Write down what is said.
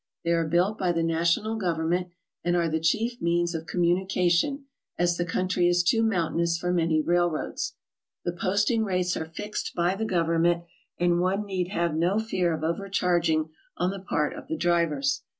They are built by the national government and are the chief means of communication, as the country is too mountainous for many railroads. The posting rates are fixed by the government and one need have no fear of overcharging on the part of the drivers.